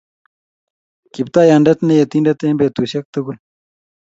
Kiptaiyandet ne Yetindet en betushek tugul